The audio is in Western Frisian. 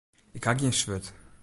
Ik ha gjin swurd.